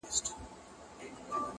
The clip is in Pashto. o كله ،كله ديدنونه زما بــدن خــوري،